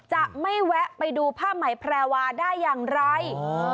จะไม่แวะไปดูผ้าไหมแพรวาได้อย่างไร